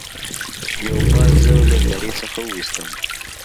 یو باز زه له درې څخه وویستم.